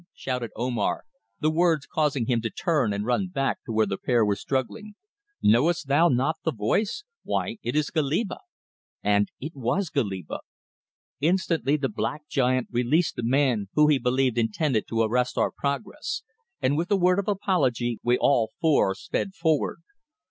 shouted Omar, the words causing him to turn and run back to where the pair were struggling. "Knowest thou not the voice? Why, it is Goliba!" And it was Goliba! Instantly the black giant released the man who he believed intended to arrest our progress, and with a word of apology we all four sped forward.